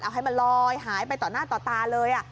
เอาให้มันลอยหายไปต่อหน้าต่อตาเลย